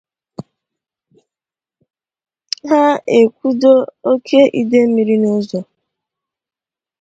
ha ekwudo oke ide mmiri n’ụzọ